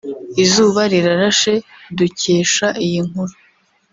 Izuba Rirashe dukesha iyi nkuru